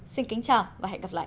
xin kính chào và hẹn gặp lại